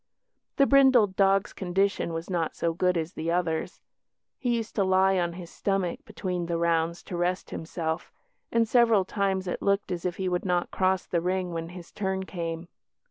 The brindled dog's condition was not so good as the other's. He used to lie on his stomach between the rounds to rest himself, and several times it looked as if he would not cross the ring when his turn came.